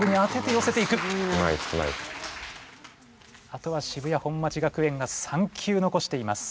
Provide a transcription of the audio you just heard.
あとは渋谷本町学園が３球のこしています。